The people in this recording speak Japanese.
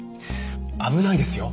危ないですよ